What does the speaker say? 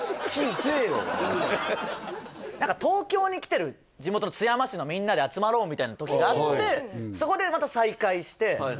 せえよ東京に来てる地元の津山市のみんなで集まろうみたいな時があってそこでまた再会してはい